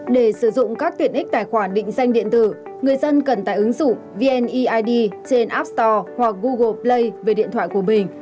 để sử dụng các tiện ích tài khoản định danh điện tử người dân cần tại ứng dụng vneid trên app store hoặc google play về điện thoại của mình